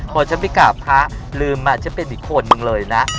พอฉันไปกราบพระลืมมาฉันเป็นอีกคนนึงเลยนะ